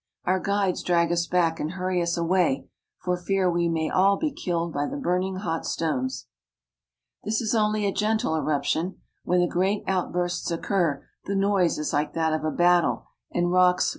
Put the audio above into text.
Our guides drag us back and hurry us away, for fear we may all be killed by the burning hot stones. This is only a gentle eruption. When the great out bursts occur the noise is like that of a battle, and rocks 426 ITALY.